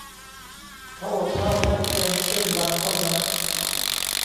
เขาอดเหล้าได้เพียงครึ่งวันเท่านั้น